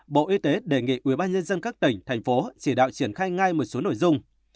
bộ y tế đề nghị ubnd các tỉnh thành phố chỉ đạo triển khai ngay một số nội dung